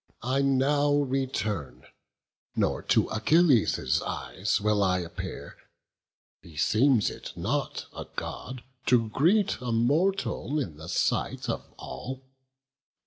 I now return, nor to Achilles' eyes Will I appear; beseems it not a God To greet a mortal in the sight of all.